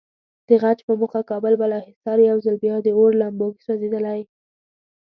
د غچ په موخه کابل بالاحصار یو ځل بیا د اور لمبو کې سوځېدلی.